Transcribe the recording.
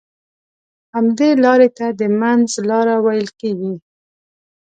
همدې لارې ته د منځ لاره ويل کېږي.